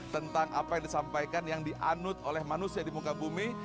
tentang apa yang disampaikan yang dianut oleh manusia di muka bumi